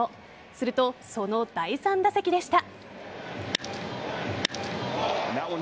すると、その第３打席でした。